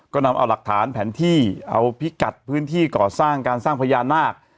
ก็นำเอาหลักฐานแผนที่เอาพิกัดพื้นที่ก่อสร้างการสร้างพญานาค